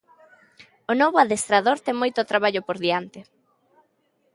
O novo adestrador ten moito traballo por diante.